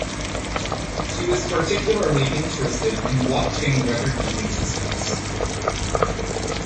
She was particularly interested in blockchain record keeping systems.